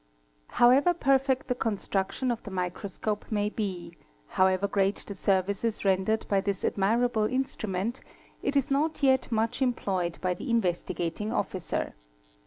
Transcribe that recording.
However perfect the construction of the microscope may be, however great the services rendered by this admirable instrument, it is not yet much employed by the Investigating Officer.